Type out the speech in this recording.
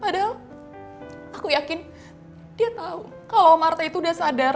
padahal aku yakin dia tahu kalau marta itu udah sadar